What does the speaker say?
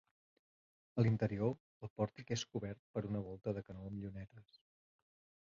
A l'interior, el pòrtic és cobert per una volta de canó amb llunetes.